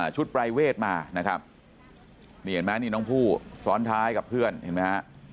ปรายเวทมานะครับนี่เห็นไหมนี่น้องผู้ซ้อนท้ายกับเพื่อนเห็นไหมฮะ